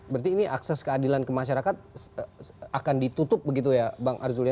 berarti ini akses keadilan ke masyarakat akan ditutup begitu ya bang arzul ya